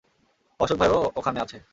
অশোক ভাইও ওখানে আছে।